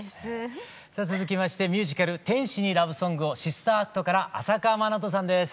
さあ続きましてミュージカル「天使にラブ・ソングをシスター・アクト」から朝夏まなとさんです。